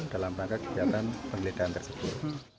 dalam rangka kegiatan penggeledahan tersebut